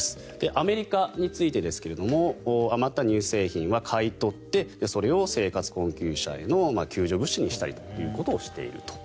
アメリカについてですが余った乳製品は買い取ってそれを生活困窮者への援助物資にしていると。